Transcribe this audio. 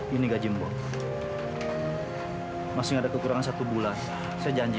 kalau ada masalah sampai baru kumul mobil dan bok menghabiskan segalanya